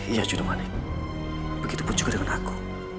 iya juno manik begitupun juga dengan aku